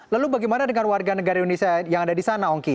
lalu bagaimana dengan warga negara indonesia yang ada di sana ongki